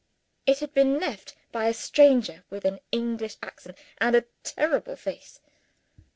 It had been left by a stranger with an English accent and a terrible face.